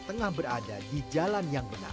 tengah berada di jalan yang benar